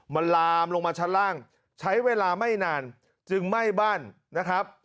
มันลามลงมาชั้นล่างใช้เวลาไม่นานจึงไหม้บ้านนะครับ